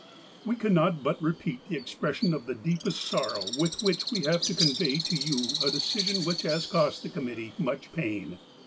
"We cannot but repeat the expression of the deepest sorrow with which we have to convey to you a decision which has cost the committee much pain.